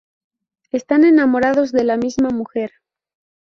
Están enamorados de la misma mujer.